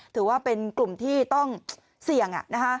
ถือว่าเป็นกลุ่มที่ต้องเสี่ยง